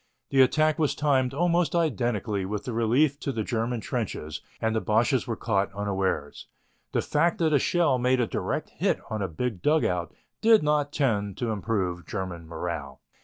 The attack was timed almost identically with the relief in the German trenches and the Boches were caught unawares. The fact that a shell made a direct hit on a big dugout did not tend to improve German morale.